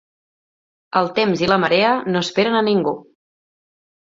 El temps i la marea no esperen a ningú.